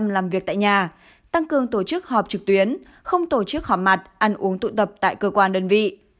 làm việc tại nhà tăng cường tổ chức họp trực tuyến không tổ chức họp mặt ăn uống tụ tập tại cơ quan đơn vị